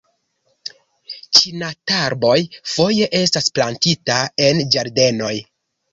Ĉinotarboj foje estas plantita en ĝardenoj.